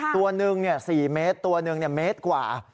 ตัวหนึ่ง๔เมตรตัวหนึ่งเมตรกว่า